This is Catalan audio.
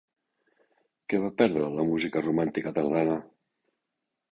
Què va perdre la música romàntica tardana?